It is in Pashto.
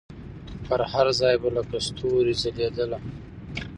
پر هر ځای به لکه ستوري ځلېدله